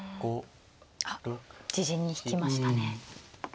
あっ自陣に引きましたね。